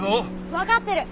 わかってる。